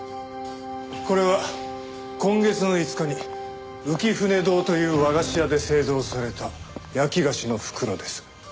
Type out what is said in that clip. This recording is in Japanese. これは今月の５日に浮舟堂という和菓子屋で製造された焼き菓子の袋です。